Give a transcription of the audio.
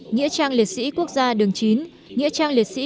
nghĩa trang liệt sĩ quốc gia đường chín nghĩa trang liệt sĩ